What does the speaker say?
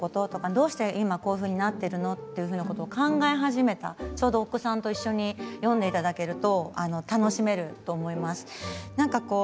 どうしてこういうふうになっているの？って考え始めたお子さんと一緒に読んでいただけると楽しめると思います。